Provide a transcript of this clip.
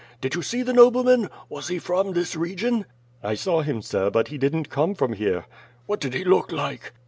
Did you see the nobleman? Was he from this region?" "I saw him, sir, but he didn't come from here." "What did he look like?"